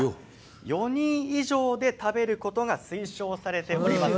４人以上で食べることが推奨されております。